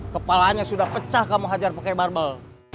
kepalanya sudah pecah kamu hajar pakai barbel